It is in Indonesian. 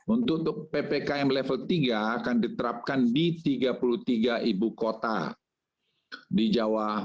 untuk ppkm level tiga akan diterapkan di tiga puluh tiga ibu kota di jawa